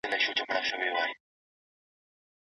مغول په پخوانیو پېړیو کي مسلمانان سول.